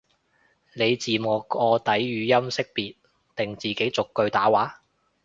你字幕個底語音辨識定自己逐句打話？